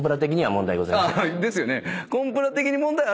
ですよね。